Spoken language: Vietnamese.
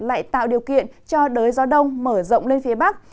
lại tạo điều kiện cho đới gió đông mở rộng lên phía bắc